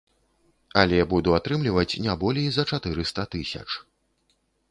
Але буду атрымліваць не болей за чатырыста тысяч.